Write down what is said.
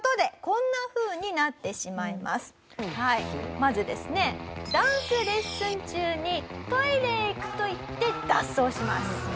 まずですねダンスレッスン中に「トイレへ行く」と言って脱走します。